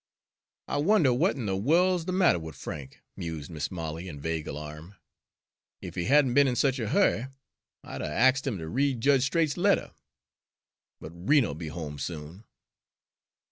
"I wonder what in the worl 's the matter with Frank," mused Mis' Molly, in vague alarm. "Ef he hadn't be'n in such a hurry, I'd 'a' axed him to read Judge Straight's letter. But Rena'll be home soon."